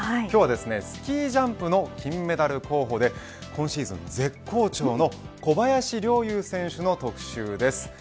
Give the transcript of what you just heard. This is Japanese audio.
今日はスキージャンプの金メダル候補で今シーズン絶好調の小林陵侑選手の特集です。